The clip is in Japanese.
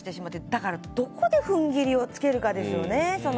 だから、どこで踏ん切りをつけるかですよね。